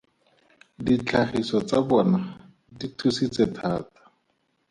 Ditlhagiso tsa bona di thusitse thata.